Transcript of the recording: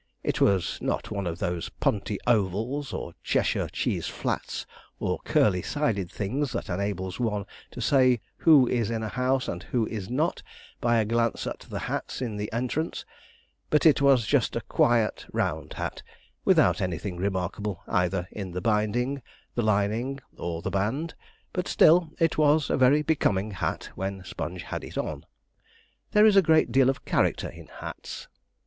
It was not one of those punty ovals or Cheshire cheese flats, or curly sided things that enables one to say who is in a house and who is not, by a glance at the hats in the entrance, but it was just a quiet, round hat, without anything remarkable, either in the binding, the lining, or the band, but still it was a very becoming hat when Sponge had it on. There is a great deal of character in hats.